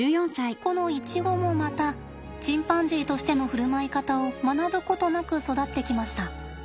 このイチゴもまたチンパンジーとしての振る舞い方を学ぶことなく育ってきました。